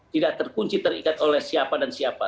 tidak terkunci terikat oleh siapa dan siapa